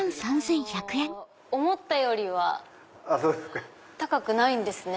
思ったよりは高くないんですね。